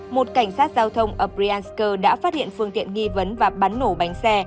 một cảnh sát giao thông ở briansk đã phát hiện phương tiện nghi vấn và bắn nổ bánh xe